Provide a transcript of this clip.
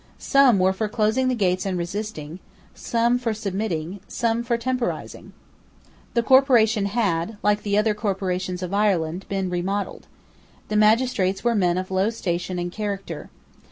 Some were for closing the gates and resisting; some for submitting; some for temporising. The corporation had, like the other corporations of Ireland, been remodelled. The magistrates were men of low station and character.